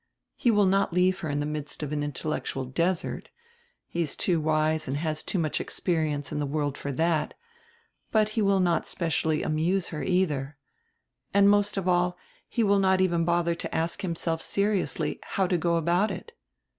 He will not leave her in the midst of an intellectual desert; he is too wise and has had too much experience in die world for that, but he will not specially amuse her either. And, most of all, he will not even bother to ask himself seriously how to go about it.